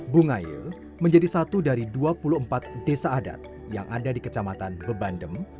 bungayu menjadi satu dari dua puluh empat desa adat yang ada di kecamatan bebandem